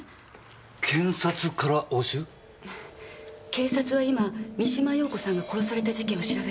警察は今三島陽子さんが殺された事件を調べている。